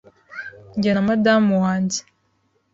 Jye na madamu wanjye